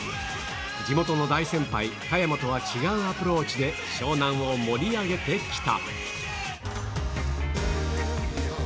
地元の大先輩、加山とは違うアプローチで湘南を盛り上げてきた。